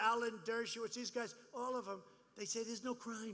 mereka bilang tidak ada kebohongan